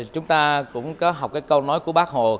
chúng ta cũng có học cái câu nói của bác hồ